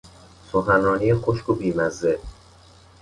سخنرانی خشک و بیمزه